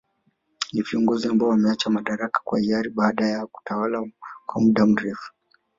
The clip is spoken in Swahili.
Ni viongozi ambao wameacha madaraka kwa hiari baada ya kutawala kwa muda mrefu